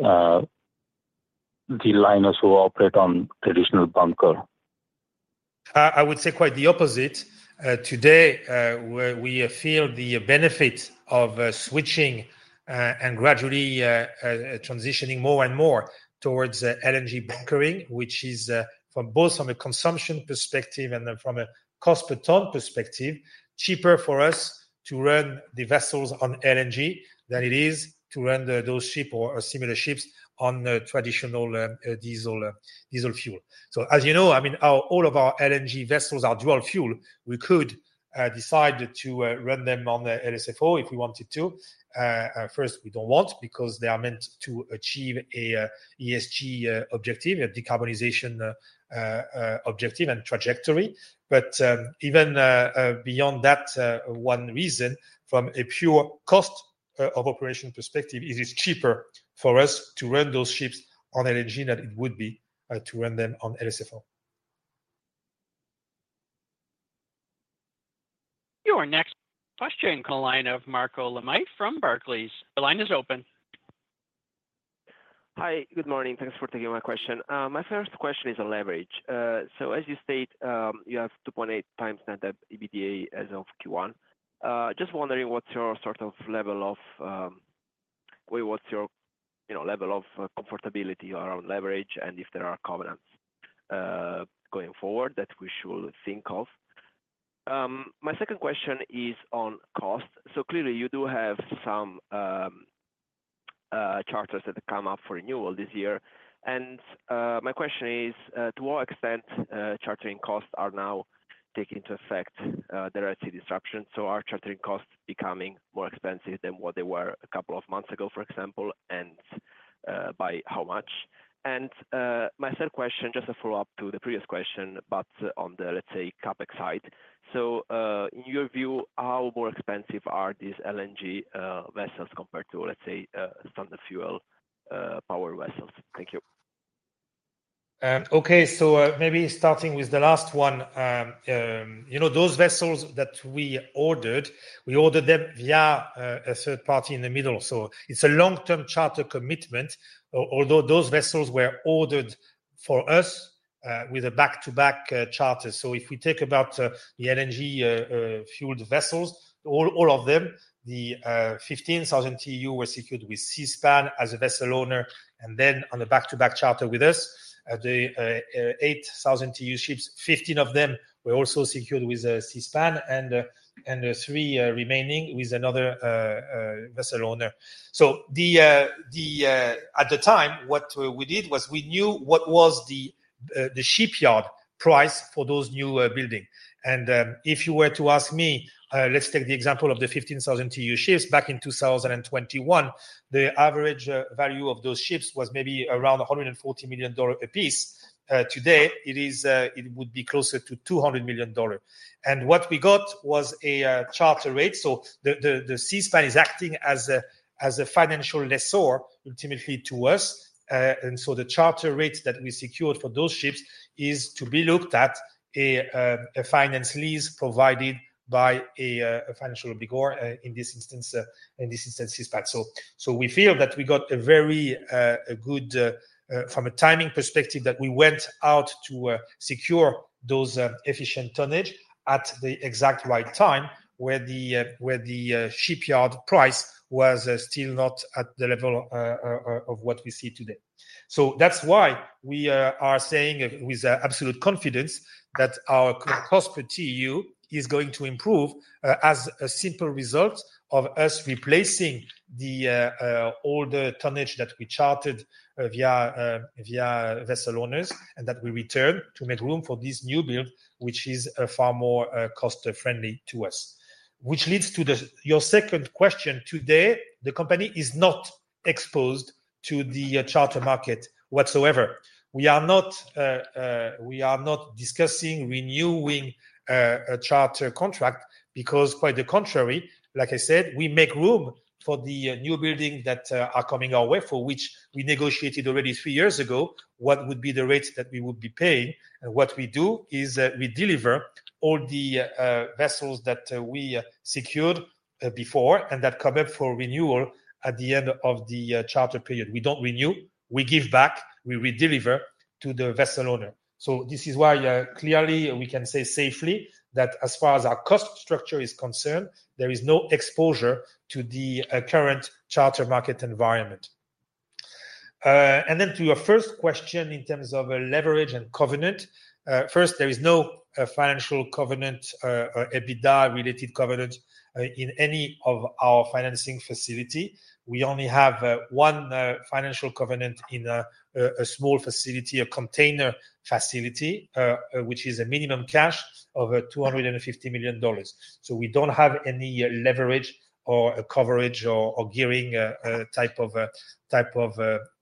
the liners who operate on traditional bunker? ... I would say quite the opposite. Today, where we feel the benefit of switching and gradually transitioning more and more towards LNG bunkering, which is from both a consumption perspective and then from a cost per ton perspective, cheaper for us to run the vessels on LNG than it is to run those ships or similar ships on traditional diesel fuel. So as you know, I mean, all of our LNG vessels are dual fuel. We could decide to run them on the LSFO if we wanted to. First, we don't want because they are meant to achieve a ESG objective, a decarbonization objective and trajectory. But, even, beyond that, one reason from a pure cost, of operation perspective, it is cheaper for us to run those ships on LNG than it would be, to run them on LSFO. Your next question comes from the line of Marco Limite from Barclays. The line is open. Hi, good morning. Thanks for taking my question. My first question is on leverage. So as you state, you have 2.8x net debt EBITDA as of Q1. Just wondering what's your sort of level of, well, what's your, you know, level of comfortability around leverage and if there are covenants, going forward that we should think of? My second question is on cost. So clearly, you do have some, charters that have come up for renewal this year, and, my question is, to what extent, chartering costs are now taking into effect, the Red Sea disruption? So are chartering costs becoming more expensive than what they were a couple of months ago, for example, and, by how much? And, my third question, just a follow-up to the previous question, but on the, let's say, CapEx side. So, in your view, how more expensive are these LNG vessels compared to, let's say, standard fuel powered vessels? Thank you. Okay. So maybe starting with the last one. You know, those vessels that we ordered, we ordered them via a third party in the middle. So it's a long-term charter commitment, although those vessels were ordered for us with a back-to-back charter. So if we talk about the LNG fueled vessels, all of them, the 15,000 TEU were secured with Seaspan as a vessel owner, and then on a back-to-back charter with us. The 8,000 TEU ships, 15 of them were also secured with Seaspan, and three remaining with another vessel owner. So at the time, what we did was we knew what was the shipyard price for those newbuild. If you were to ask me, let's take the example of the 15,000 TEU ships back in 2021, the average value of those ships was maybe around $140 million apiece. Today, it is, it would be closer to $200 million. And what we got was a charter rate. So the Seaspan is acting as a financial lessor, ultimately, to us. And so the charter rates that we secured for those ships is to be looked at as a finance lease provided by a financial lessor, in this instance, Seaspan. So, we feel that we got a very good from a timing perspective, that we went out to secure those efficient tonnage at the exact right time, where the shipyard price was still not at the level of what we see today. So that's why we are saying with absolute confidence that our cost per TEU is going to improve as a simple result of us replacing the older tonnage that we chartered via vessel owners and that will return to make room for this newbuild, which is far more cost-friendly to us. Which leads to your second question. Today, the company is not exposed to the charter market whatsoever. We are not discussing renewing a charter contract because, quite the contrary, like I said, we make room for the newbuilds that are coming our way, for which we negotiated already three years ago, what would be the rates that we would be paying. And what we do is, we deliver all the vessels that we secured before and that come up for renewal at the end of the charter period. We don't renew. We give back, we redeliver to the vessel owner. So this is why, clearly, we can say safely that as far as our cost structure is concerned, there is no exposure to the current charter market environment. And then to your first question in terms of leverage and covenant. First, there is no financial covenant or EBITDA-related covenant in any of our financing facility. We only have one financial covenant in a small facility, a container facility, which is a minimum cash of $250 million. So we don't have any leverage or a coverage or gearing type of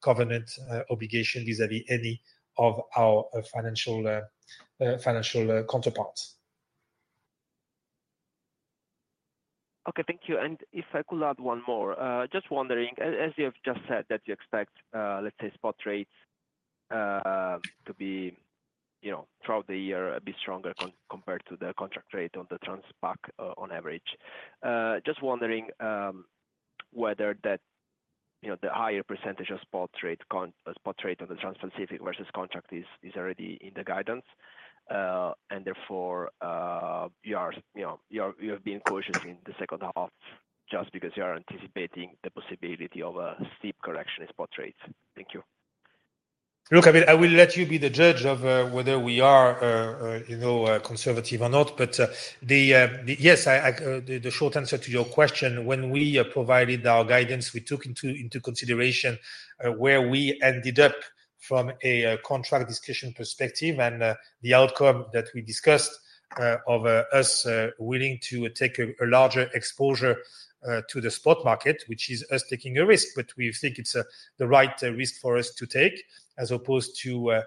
covenant obligation vis-à-vis any of our financial counterparts. Okay, thank you. If I could add one more. Just wondering, as you have just said, that you expect, let's say, spot rates to be, you know, throughout the year, a bit stronger compared to the contract rate on the Transpacific on average. Just wondering whether that, you know, the higher percentage of spot rates on the Transpacific versus contract is already in the guidance. And therefore, you know, you have been cautious in the second half just because you are anticipating the possibility of a steep correction in spot rates. Thank you. Look, I mean, I will let you be the judge of whether we are, you know, conservative or not. But yes, the short answer to your question, when we provided our guidance, we took into consideration where we ended up from a contract discussion perspective and the outcome that we discussed of us willing to take a larger exposure to the spot market, which is us taking a risk. But we think it's the right risk for us to take, as opposed to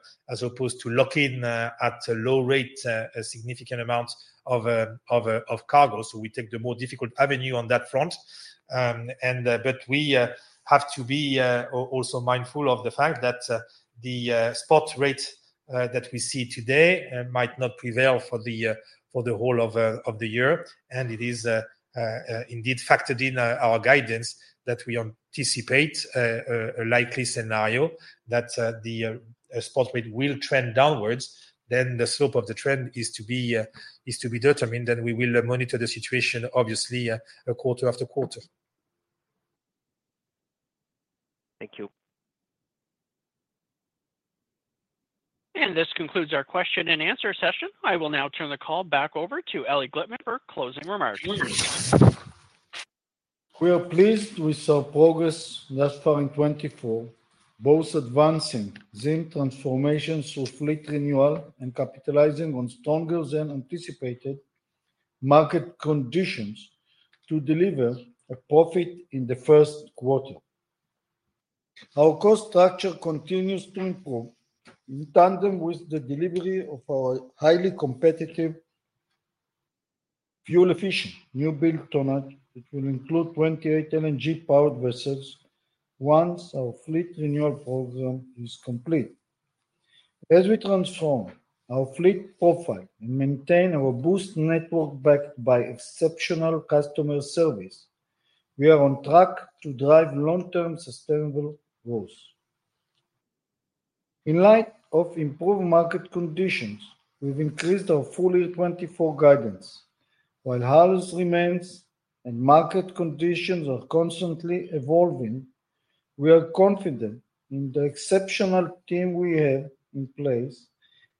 lock in at a low rate a significant amount of cargo. So we take the more difficult avenue on that front. But we have to be also mindful of the fact that the spot rate that we see today might not prevail for the whole of the year. And it is indeed factored in our guidance that we anticipate a likely scenario that the spot rate will trend downwards, then the slope of the trend is to be determined, and we will monitor the situation, obviously, quarter after quarter. Thank you. This concludes our question and answer session. I will now turn the call back over to Eli Glickman for closing remarks. We are pleased with our progress thus far in 2024, both advancing ZIM transformation through fleet renewal and capitalizing on stronger than anticipated market conditions to deliver a profit in the first quarter. Our cost structure continues to improve in tandem with the delivery of our highly competitive, fuel-efficient newbuild tonnage that will include 28 LNG powered vessels once our fleet renewal program is complete. As we transform our fleet profile and maintain our robust network backed by exceptional customer service, we are on track to drive long-term sustainable growth. In light of improved market conditions, we've increased our full-year 2024 guidance. While headwinds remain and market conditions are constantly evolving, we are confident in the exceptional team we have in place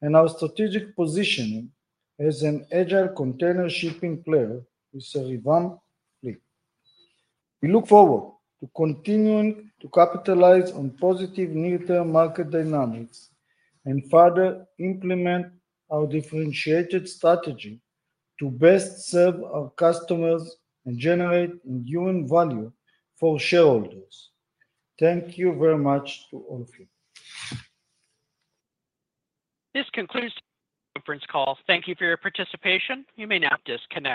and our strategic positioning as an agile container shipping player with a revamped fleet. We look forward to continuing to capitalize on positive near-term market dynamics and further implement our differentiated strategy to best serve our customers and generate enduring value for shareholders. Thank you very much to all of you. This concludes the conference call. Thank you for your participation. You may now disconnect.